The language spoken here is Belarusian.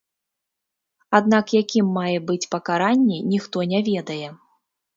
Аднак якім мае быць пакаранне, ніхто не ведае.